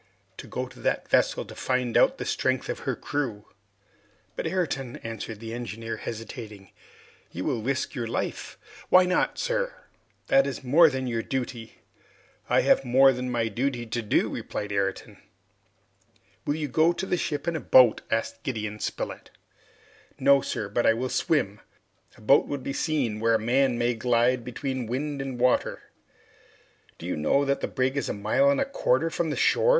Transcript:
"To go to that vessel to find out the strength of her crew." "But Ayrton " answered the engineer, hesitating, "you will risk your life " "Why not, sir?" "That is more than your duty." "I have more than my duty to do," replied Ayrton. "Will you go to the ship in the boat?" asked Gideon Spilett. "No, sir, but I will swim. A boat would be seen where a man may glide between wind and water." "Do you know that the brig is a mile and a quarter from the shore?"